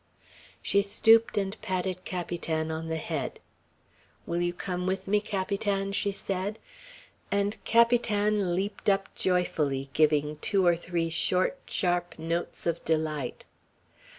She stooped and patted Capitan on the head. "Will you come with me, Capitan?" she said; and Capitan leaped up joyfully, giving two or three short, sharp notes of delight.